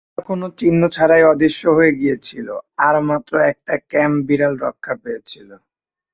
তারা কোনো চিহ্ন ছাড়াই অদৃশ্য হয়ে গিয়েছিল আর মাত্র একটা ক্যাম্প বিড়াল রক্ষা পেয়েছিল।